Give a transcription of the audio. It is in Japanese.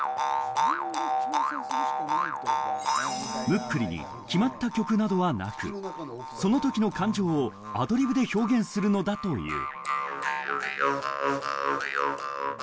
ムックリに決まった曲などはなく、その時の感情をアドリブで表現するのだという。